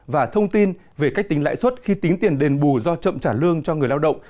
và thông tin về cách tính lãi suất khi tính tiền đền bù do chậm trả lương cho người lao động